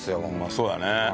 そうだね。